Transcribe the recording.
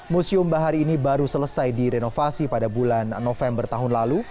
museum bahari ini baru selesai direnovasi pada bulan november tahun lalu